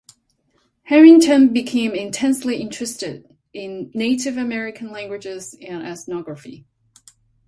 Harrington became intensely interested in Native American languages and ethnography.